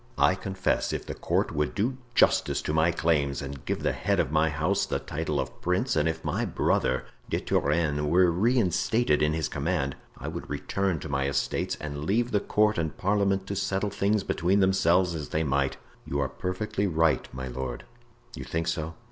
I confess, if the court would do justice to my claims and give the head of my house the title of prince, and if my brother De Turenne were reinstated in his command I would return to my estates and leave the court and parliament to settle things between themselves as they might." "You are perfectly right, my lord." "You think so?